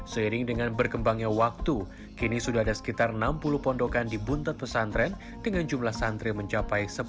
seiring dengan berkembangnya waktu kini sudah ada sekitar enam puluh pondokan di buntut pesantren dengan jumlah santri mencapai